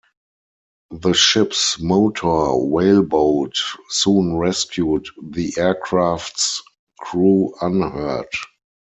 The ship's motor whaleboat soon rescued the aircraft's crew unhurt.